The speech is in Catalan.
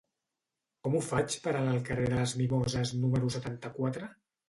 Com ho faig per anar al carrer de les Mimoses número setanta-quatre?